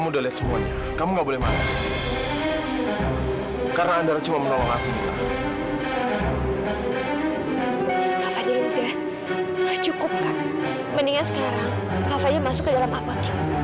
mendingan sekarang kak fadil masuk ke dalam apotek